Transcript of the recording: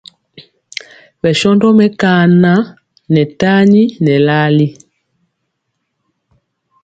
Bɛshóndo mekaŋan ŋɛ tani ŋɛ larli.